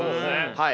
はい。